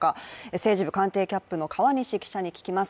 政治部官邸キャップの川西記者に聞きます。